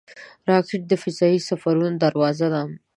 راکټ د فضايي سفرونو دروازه ده